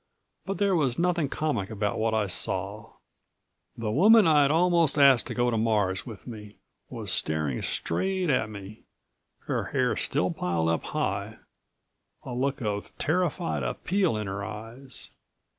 But there was nothing comic about what I saw. The woman I'd almost asked to go to Mars with me was staring straight at me, her hair still piled up high, a look of terrified appeal in her eyes.